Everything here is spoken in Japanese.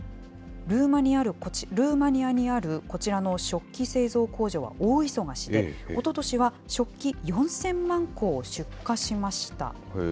ルーマニアにあるこちらの食器製造工場は大忙しで、おととしは食器４０００万個を出荷しました。